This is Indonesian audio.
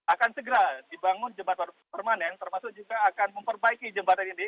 akan segera dibangun jembatan permanen termasuk juga akan memperbaiki jembatan ini